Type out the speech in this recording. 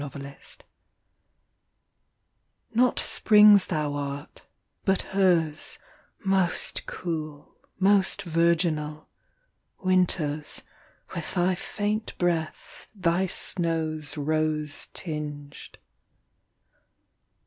ARBUTUS Not Spring s Thou art, but her s, Most cool, most virginal, Winter s, with thy faint breath, thy snows Rose tinged.